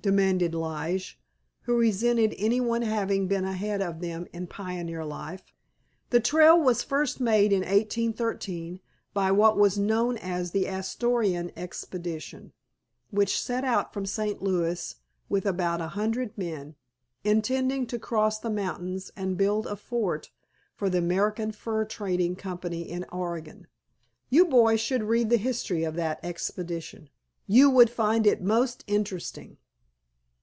demanded Lige, who resented any one having been ahead of them in pioneer life. "The trail was first made in 1813 by what was known as the Astorian Expedition, which set out from St. Louis with about a hundred men, intending to cross the mountains and build a fort for the American Fur Trading Company in Oregon. You boys should read the history of that expedition; you would find it most interesting."